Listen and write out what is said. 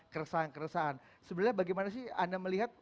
keresahan keresahan sebenarnya bagaimana sih anda melihat